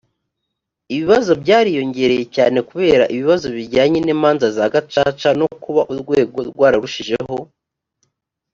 ibibazo byariyongereye cyane ku bera ibibazo bijyanye n imanza za gacaca no kuba urwego rwararushijeho